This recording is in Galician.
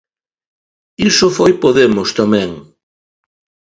Iso foi Podemos tamén.